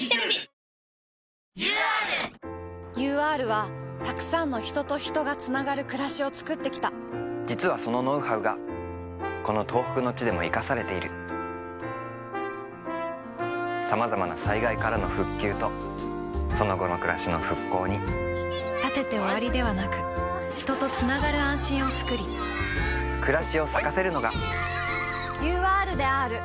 ＵＲＵＲはたくさんの人と人がつながるくらしをつくってきた実はそのノウハウがこの東北の地でも活かされているさまざまな災害からの「復旧」とその後のくらしの「復興」に建てて終わりではなく人とつながる安心をつくり“くらし”を咲かせるのがＵＲであーるＵＲであーる